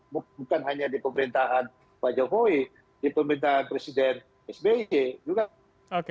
bukan hanya di pemerintahan pak jokowi di pemerintahan presiden sby juga